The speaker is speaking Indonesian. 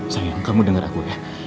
sayang kamu dengar aku ya